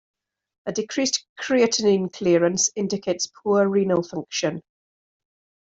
A decreased creatinine clearance indicates poor renal function.